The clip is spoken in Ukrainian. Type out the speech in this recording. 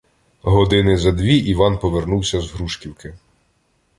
Години за дві Іван повернувся з Грушківки.